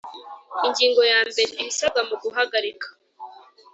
Ingingo ya mbere Ibisabwa mu guhagarika